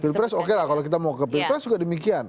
pilpres oke lah kalau kita mau ke pilpres juga demikian